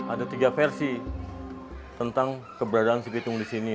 ada tiga versi tentang keberadaan si pitung di sini